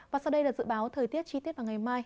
và sau đây là dự báo thời tiết chi tiết vào ngày mai